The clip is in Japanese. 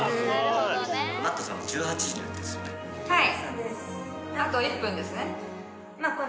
はい。